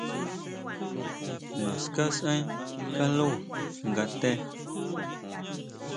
Naská sʼaen kaló nga té.